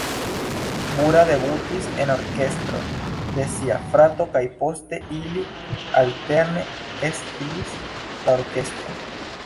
Bura debutis en orkestro de sia frato kaj poste ili alterne estris la orkestron.